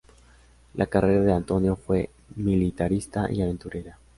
La carrera de Antonio fue militarista y aventurera.